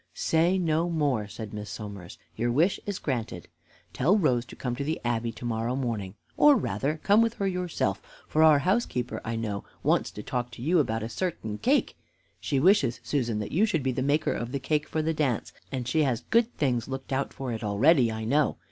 "Say no more," said Miss Somers; "your wish is granted. Tell Rose to come to the Abbey to morrow morning, or rather come with her yourself, for our housekeeper, I know, wants to talk to you about a certain cake. She wishes, Susan, that you should be the maker of the cake for the dance, and she has good things looked out for it already, I know.